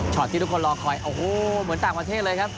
ที่ทุกคนรอคอยโอ้โหเหมือนต่างประเทศเลยครับ